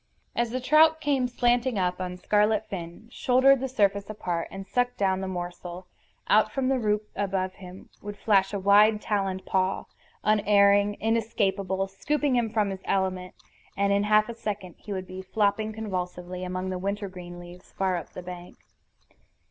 As the trout came slanting up on scarlet fin, shouldered the surface apart, and sucked down the morsel, out from the root above him would flash a wide taloned paw, unerring, inescapable, scooping him from his element, and in half a second he would be flopping convulsively among the wintergreen leaves, far up the bank.